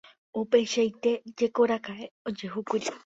Upeichaite jekorakaʼe ojehúkuri.